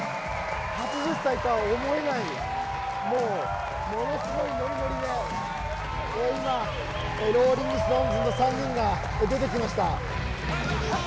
８０歳とは思えない、ものすごいノリノリで今、ローリング・ストーンズの３人が出てきました。